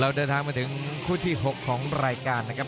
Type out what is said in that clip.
เดินทางมาถึงคู่ที่๖ของรายการนะครับ